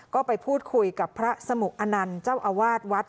ก็ไปพูดคุยกับพระสมุอนันต์เจ้าอาวาสวัด